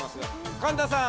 神田さん。